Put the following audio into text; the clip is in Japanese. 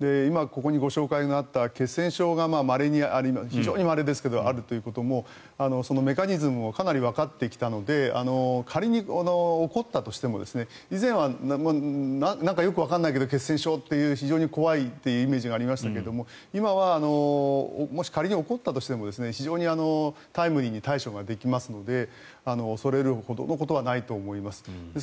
今、ここにご紹介があった血栓症が非常にまれですけどあるということもそのメカニズムをかなりわかってきたので仮に起こったとしても、以前はなんかよくわかんないけど血栓症という非常に怖いというイメージがありましたが今はもし仮に起こったとしても非常にタイムリーに対処ができますので恐れるほどのことはないと思います。